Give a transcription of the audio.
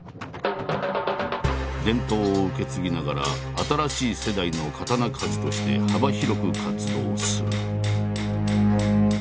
伝統を受け継ぎながら新しい世代の刀鍛冶として幅広く活動する。